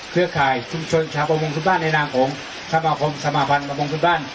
เครือข่ายชุมชนชาประพงภุตบ้านในนามของสมคมสมาภัณฑ์ประพงภุตบ้าน